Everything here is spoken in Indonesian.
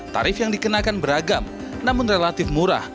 tarif yang dikenakan beragam namun relatif murah